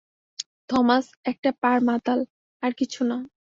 Thomas একটা পাড় মাতাল, আর কিছু না।